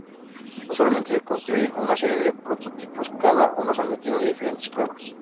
Usualmente, se construyen una serie de prototipos, cada uno sometido a diferentes pruebas.